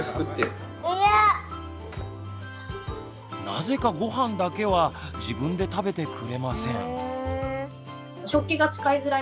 なぜかごはんだけは自分で食べてくれません。